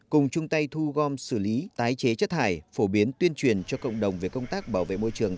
cùng chung tay thu gom xử lý tái chế chất thải phổ biến tuyên truyền cho cộng đồng về công tác bảo vệ môi trường